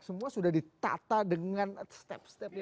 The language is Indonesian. semua sudah ditata dengan step step